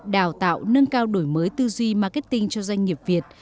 đào tạo nâng cao đổi mới tư duy marketing cho doanh nghiệp việt